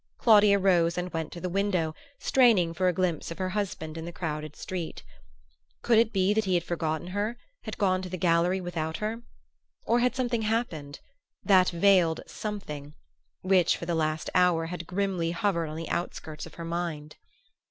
Claudia rose and went to the window, straining for a glimpse of her husband in the crowded street. Could it be that he had forgotten her, had gone to the gallery without her? Or had something happened that veiled "something" which, for the last hour, had grimly hovered on the outskirts of her mind?